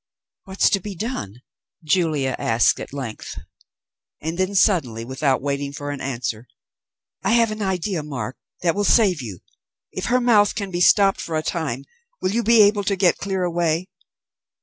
"What's to be done?" Julia asked at length, and then suddenly, without waiting for an answer, "I have an idea, Mark, that will save you. If her mouth can be stopped for a time, will you be able to get clear away?"